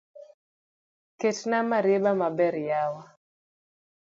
Ketna marieba maber yawa